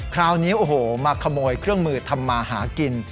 คราวนี้โอ้โหมาขโมยเครื่องมือทำมาหากิน